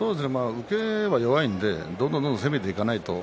受けが弱いのでどんどんどんどん攻めていかないと。